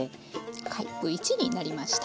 カップ１になりました。